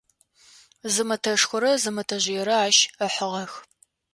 Зы мэтэшхорэ зы мэтэжъыерэ ащ ыхьыгъэх.